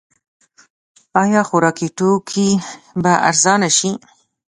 آیا خوراکي توکي به ارزانه شي؟